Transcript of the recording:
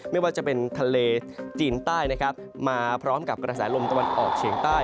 ไม่ว่าจะเป็นทะเลจีนใต้นะครับมาพร้อมกับกระแสลมตะวันออกเฉียงใต้